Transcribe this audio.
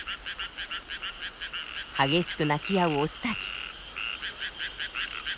激しく鳴き合うオスたち。